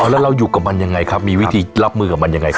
แล้วเราอยู่กับมันยังไงครับมีวิธีรับมือกับมันยังไงครับ